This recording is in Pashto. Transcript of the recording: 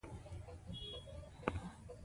دا د عصري څیړونکو لپاره معتبره سرچینه ده.